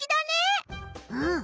うん。